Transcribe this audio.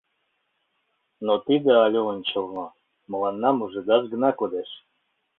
Но тиде але ончылно, мыланна мужедаш гына кодеш.